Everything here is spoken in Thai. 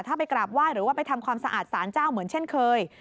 ถ้าไปกราบไหว้หรือว่าไปทำความสะอาดสารเจ้าเหมือนเช่นเคย